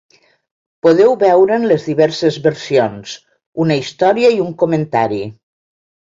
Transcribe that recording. Podeu veure'n les diverses versions, una història i un comentari.